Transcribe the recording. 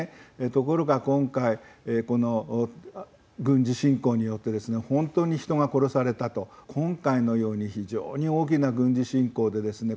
ところが今回この軍事侵攻によってですね本当に人が殺されたと今回のように非常に大きな軍事侵攻でですね